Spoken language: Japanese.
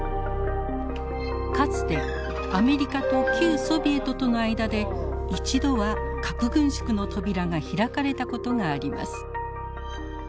かつてアメリカと旧ソビエトとの間で一度は核軍縮の扉が開かれたことがあります。